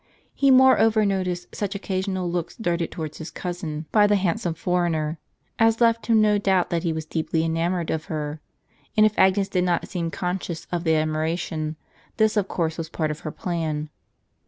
He moreover noticed such occasional looks darted towards his cousin by the handsome foreigner, as left him no doubt that he was deeply enamored of her ; and if Agnes did not seem conscious of the admira tion, this of course was part of her plan.